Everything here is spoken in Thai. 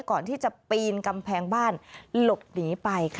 ก่อนที่จะปีนกำแพงบ้านหลบหนีไปค่ะ